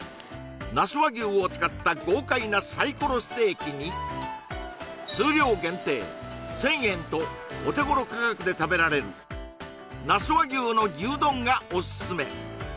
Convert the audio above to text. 那須和牛を使った豪快なサイコロステーキに数量限定１０００円とお手ごろ価格で食べられる那須和牛の牛丼がオススメ